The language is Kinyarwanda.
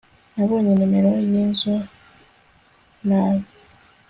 nabonye nimero yinzu nabi